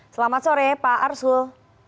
selamat sore pak arsul